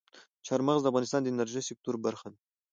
چار مغز د افغانستان د انرژۍ سکتور برخه ده.